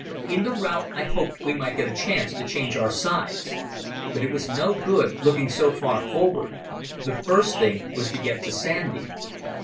In the rout I hoped we might get a chance to change our sides. But it was no good looking so far forward; the first thing was to get to Sandy.